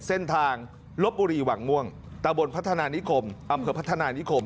เส้นทางลบบุรีหวังม่วงตะบนพัฒนานิคมอำเภอพัฒนานิคม